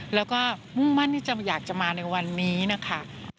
แล้วก็มุ่งมั่นที่จะอยากจะมาในวันนี้นะคะ